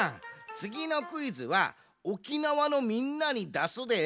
つぎのクイズは沖縄のみんなにだすで。